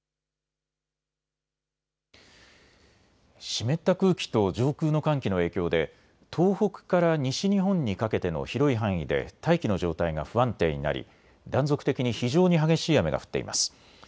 湿った空気と上空の寒気の影響で東北から西日本にかけての広い範囲で大気の状態が不安定になり、断続的に非常に激しい雨が降っています。